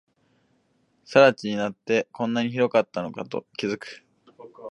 更地になって、こんなに広かったのかと気づく